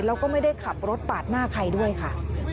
แล้วก็ไม่ได้ขับรถปาดหน้าใครด้วยค่ะ